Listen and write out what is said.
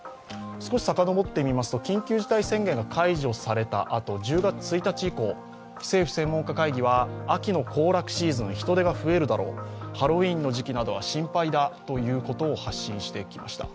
少し遡ってみますと緊急事態宣言が解除されたあと、１０月１日以降、政府専門家会議は秋の行楽シーズン、人出が増えるだろうハロウィーンの時期などは心配だということを発信してきました。